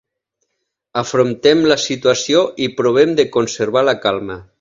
Afrontem la situació i provem de conservar la calma.